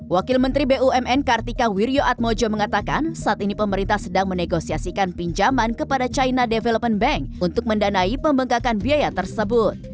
wakil menteri bumn kartika wirjoatmojo mengatakan saat ini pemerintah sedang menegosiasikan pinjaman kepada china development bank untuk mendanai pembengkakan biaya tersebut